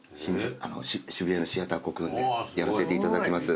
渋谷のシアターコクーンでやらせていただきます。